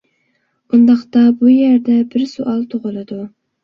ئۇنداقتا بۇ يەردە بىر سوئال تۇغۇلىدۇ.